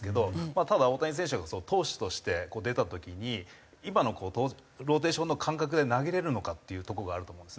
ただ大谷選手が投手として出た時に今のローテーションの間隔で投げられるのかっていうとこがあると思うんですね。